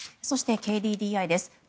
そしてＫＤＤＩです。